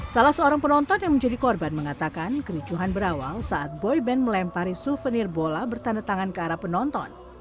salah seorang penonton yang menjadi korban mengatakan kericuhan berawal saat boyband melempari souvenir bola bertanda tangan ke arah penonton